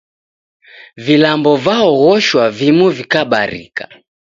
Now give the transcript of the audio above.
Vilambo vaoghoshwa vimu vikabarika